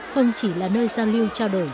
không chỉ là nơi giao lưu trao đổi